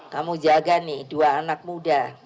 kamu jaga nih dua anak muda